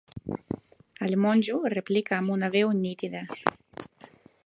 El monjo replica amb una veu nítida.